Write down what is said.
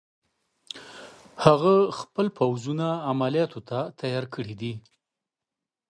هغه خپل پوځونه عملیاتو ته تیار کړي.